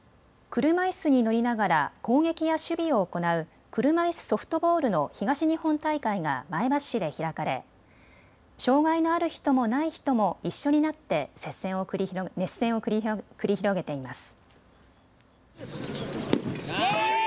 車いすに乗りながら攻撃や守備を行う車椅子ソフトボールの東日本大会が前橋市で開かれ障害のある人もない人も一緒になって熱戦を繰り広げています。